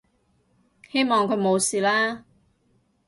希望佢冇事啦